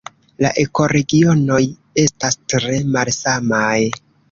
La ekoregionoj estas tre malsamaj.